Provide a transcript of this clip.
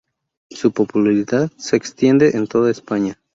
Su popularidad se extiende por toda España.